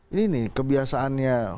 ini nih kebiasaannya